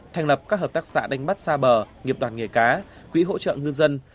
thành lập các hợp tác xã đánh bắt xa bờ nghiệp đoàn nghề cá quỹ hỗ trợ ngư dân